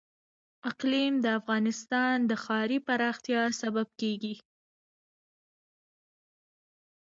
اقلیم د افغانستان د ښاري پراختیا سبب کېږي.